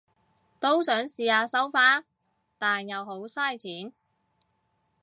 都想試下收花，但又好晒錢